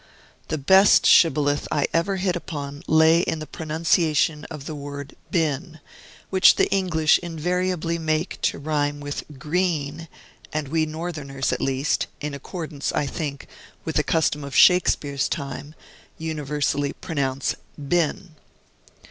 The best shibboleth I ever hit upon lay in the pronunciation of the word "been," which the English invariably make to rhyme with "green," and we Northerners, at least (in accordance, I think, with the custom of Shakespeare's time), universally pronounce "bin."